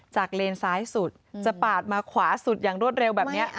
เลนซ้ายสุดจะปาดมาขวาสุดอย่างรวดเร็วแบบนี้